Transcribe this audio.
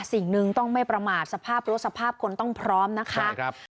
สิ่งหนึ่งต้องไม่ประมาทสภาพรถสภาพคนต้องพร้อมนะคะ